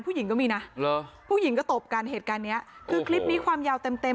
ผู้หญิงก็มีนะเหตุการณ์เนี้ยคือคลิปนี้ความยาวเต็ม